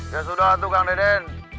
ya sudah tuh kang deden